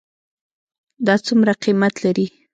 دا څومره قیمت لري ?